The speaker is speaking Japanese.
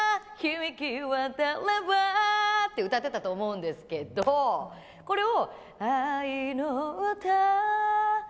歌ってたと思うんですけどこれを。